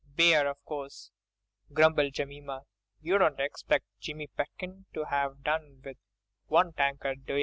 "Beer, of course," grumbled Jemima, "you don't 'xpect Jimmy Pitkin to 'ave done with one tankard, do ye?"